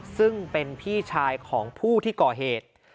ซึ่งเป็นพี่ชายของผู้ที่ก่อเหตุ